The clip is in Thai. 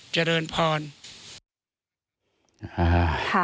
เจริญพรค่ะ